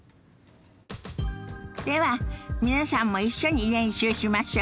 では皆さんも一緒に練習しましょ。